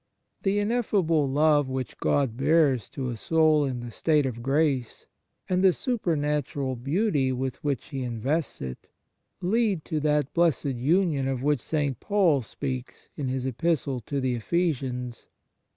The ineffable love which God bears to a soul in the state of grace, and the super natural beauty with which He invests it, lead to that blessed union of which St. Paul speaks in his Epistle to the Ephesians.